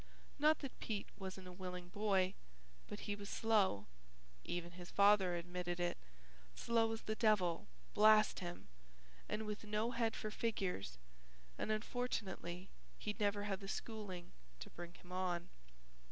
Not that Pete wasn't a willing boy, but he was slow, even his father admitted it, slow as the devil, blast him, and with no head for figures and unfortunately he'd never had the schooling to bring him on.